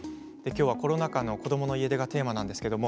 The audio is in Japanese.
きょうはコロナ禍の子どもの家出がテーマです。